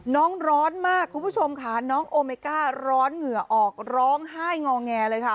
ร้อนมากคุณผู้ชมค่ะน้องโอเมก้าร้อนเหงื่อออกร้องไห้งอแงเลยค่ะ